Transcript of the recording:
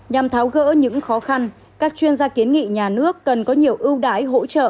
nhằm tháo gỡ những khó khăn các chuyên gia kiến nghị nhà nước cần có nhiều ưu đái hỗ trợ